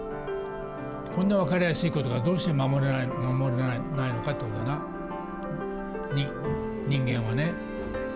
こんな分かりやすいことが、どうして守れないのかってことだな、人間はね。